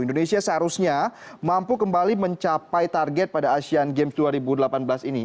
indonesia seharusnya mampu kembali mencapai target pada asean games dua ribu delapan belas ini